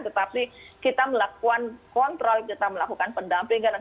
tetapi kita melakukan kontrol kita melakukan pendampingan